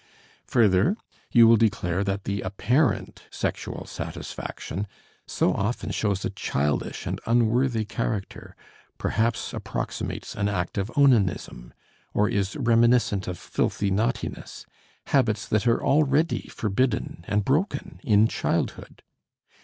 Further, you will declare that the apparent sexual satisfaction so often shows a childish and unworthy character, perhaps approximates an act of onanism, or is reminiscent of filthy naughtiness, habits that are already forbidden and broken in childhood.